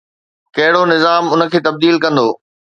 ڪهڙو نظام ان کي تبديل ڪندو؟